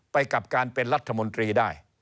ไปกับการเป็นรัฐมนตรีได้